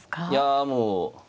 いやもう。